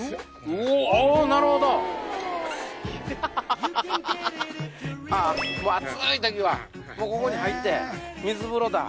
もう暑い時はここに入って水風呂だ。